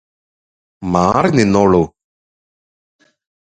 മാറി നിന്നോളൂ